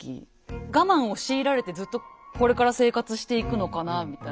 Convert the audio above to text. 我慢を強いられてずっとこれから生活していくのかなみたいな。